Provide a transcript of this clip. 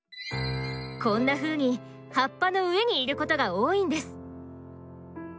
こんなふうに葉っぱの上にいることが多いんです。